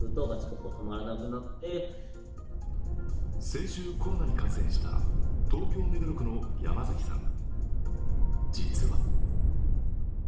先週、コロナに感染した東京・目黒区の山崎さん。